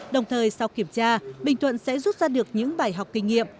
đồng thời sau kiểm tra bình thuận sẽ rút ra được những bài học kinh nghiệm